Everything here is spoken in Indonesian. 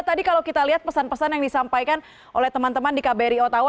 tadi kalau kita lihat pesan pesan yang disampaikan oleh teman teman di kbri ottawa